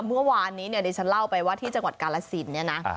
เมื่อวานนี้เนี่ยดิฉันเล่าไปว่าที่จังหวัดกาลสินเนี่ยนะ